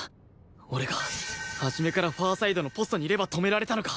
俺が初めからファーサイドのポストにいれば止められたのか？